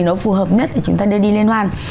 thì nó phù hợp nhất để chúng ta đưa đi liên hoan